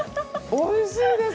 おいしいです。